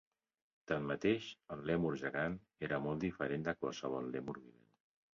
Tanmateix, el lèmur gegant era molt diferent de qualsevol lèmur vivent.